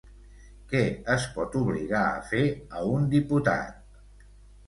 Què es pot obligar a fer a un diputat?